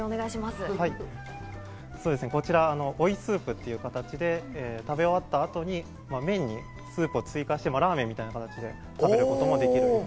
こちら、追いスープという形で食べ終わった後に麺にスープを追加してラーメンみたいな形で食べることもできる。